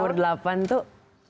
umur delapan tuh